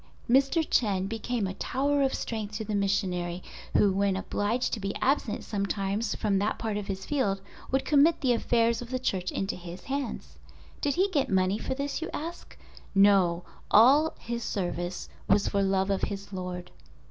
Mr. Chen became a tower of strength to the missionary, who when obliged to be absent sometimes from that part of his field would commit the affairs of the Church into his hands. Did he get money for this, you ask. No—all his service was for love of his Lord.